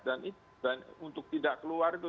dan untuk tidak keluar itu